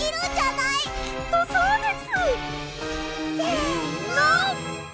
きっとそうです！せの！